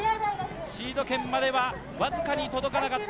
シード権までは、わずかに届かなかった。